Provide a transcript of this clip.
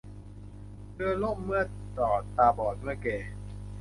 เรือล่มเมื่อจอดตาบอดเมื่อแก่